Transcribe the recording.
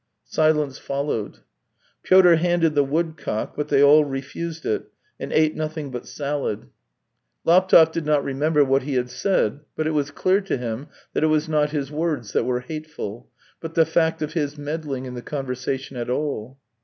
Silence followed. Pyotr handed the woodcock, but they all refused it, and ate nothing but salad. THREE YEARS 259 Laptev did not remember what he had said, but it was clear to him that it was not his words that were hateful, but the fact of his meddling in the conversation at all.